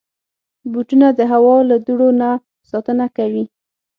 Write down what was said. بوټونه د هوا له دوړو نه ساتنه کوي.